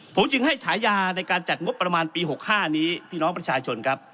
ผมจึงให้ฉายาในการจัดงบประมาณปี๖๕นี้พี่น้องประชาชนครับ